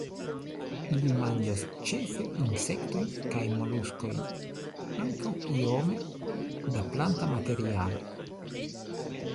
Ili manĝas ĉefe insektojn kaj moluskojn, ankaŭ iome da planta materialo.